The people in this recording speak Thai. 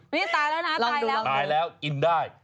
นี่ตายแล้วนะตายแล้วอิ่นได้